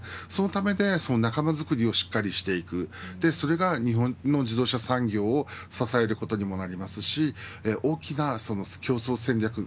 そのために仲間づくりをしっかりしていくそれが日本の自動車産業を支えることにもなりますし大きな競争戦略